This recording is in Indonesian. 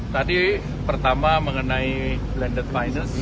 tadi pertama mengenai blended finance